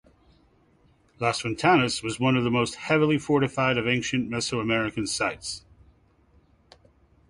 Las Ventanas was one of the most heavily fortified of ancient Mesoamerican sites.